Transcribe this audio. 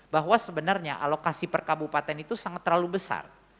bahwa sebenarnya alokasi perkabupaten itu sangat terlalu besar